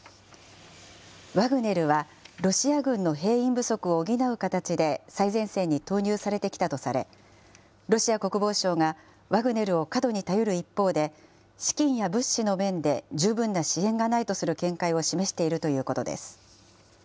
ワグネルは、ロシア軍の兵員不足を補う形で最前線に投入されてきたとされ、ロシア国防省がワグネルを過度に頼る一方で、資金や物資の面で十分な支援がないとする見解を示しているということです。